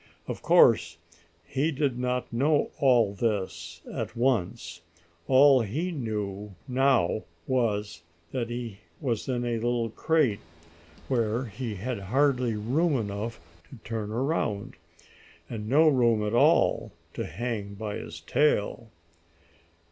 Of course he did not know all this at once. All he knew now was that he was in a little crate, where he had hardly room enough to turn around, and no room at all to hang by his tail.